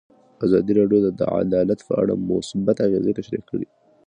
ازادي راډیو د عدالت په اړه مثبت اغېزې تشریح کړي.